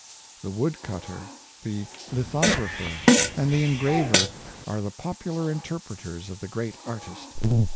The wood cutter, the lithograph er, and the engraver are the popular interpreters of the great artist.